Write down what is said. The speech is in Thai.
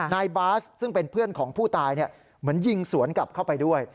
นายบาสซึ่งเป็นเพื่อนของผู้ตายเหมือนยิงสวนกลับเข้าไปด้วย